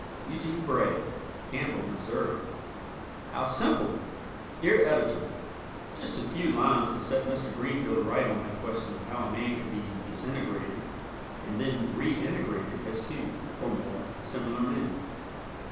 Eugene Bray, Campbell, Mo. How Simple! Dear Editor: Just a few lines to set Mr. Greenfeld right on that question of how a man could be disintegrated and then reintegrated as two (or more) similar men.